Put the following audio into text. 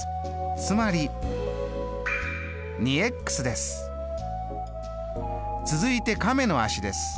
つまり続いて亀の足です。